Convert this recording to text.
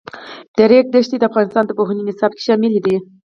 د ریګ دښتې د افغانستان د پوهنې نصاب کې شامل دي.